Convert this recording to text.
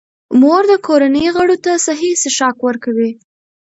مور د کورنۍ غړو ته صحي څښاک ورکوي.